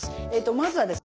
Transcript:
まずはですね